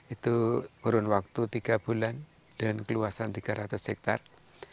itu kurun waktu tiga bulan dengan keluasan tiga ratus hektare